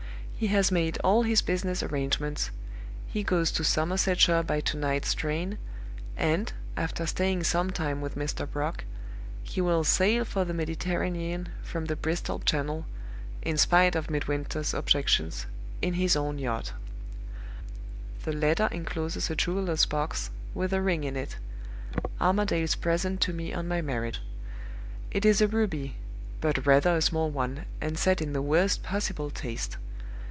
He has made all his business arrangements; he goes to Somersetshire by to night's train; and, after staying some time with Mr. Brock, he will sail for the Mediterranean from the Bristol Channel (in spite of Midwinter's objections) in his own yacht. "The letter incloses a jeweler's box, with a ring in it Armadale's present to me on my marriage. It is a ruby but rather a small one, and set in the worst possible taste.